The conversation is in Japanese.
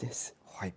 はい。